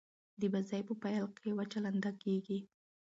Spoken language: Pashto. د بازي په پیل کښي وچه لنده کیږي.